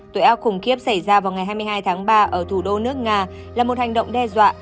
tội ác khủng khiếp xảy ra vào ngày hai mươi hai tháng ba ở thủ đô nước nga là một hành động đe dọa